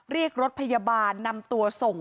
เรียกรถพยาบาลนำตัวส่ง